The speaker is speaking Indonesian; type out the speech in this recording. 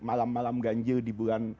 malam malam ganjil di bulan